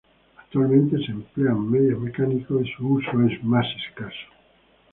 Actualmente se emplean medios mecánicos y su uso es más escaso.